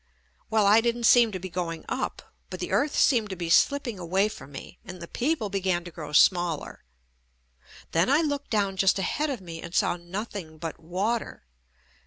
Well, I didn't seem to be going up, but the earth seemed to be slipping away from me and the people began to grow smaller. Then I looked down just ahead of me and saw nothing but water.